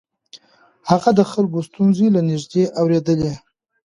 هغه د خلکو ستونزې له نږدې اورېدلې.